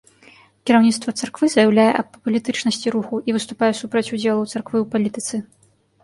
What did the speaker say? Кіраўніцтва царквы заяўляе аб апалітычнасці руху і выступае супраць удзелу царквы ў палітыцы.